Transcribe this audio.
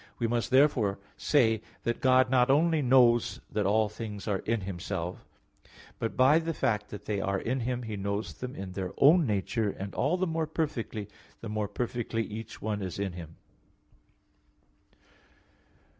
We must say therefore that God not only knows that all things are in Himself; but by the fact that they are in Him, He knows them in their own nature and all the more perfectly, the more perfectly each one is in Him.